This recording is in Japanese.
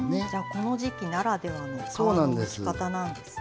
この時季ならではの皮のむき方なんですね。